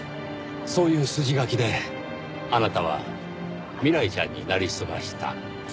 そういう筋書きであなたは未来ちゃんになりすました。